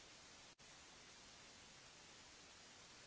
เมื่อเวลาอันดับสุดท้ายมันกลายเป็นภูมิที่สุดท้าย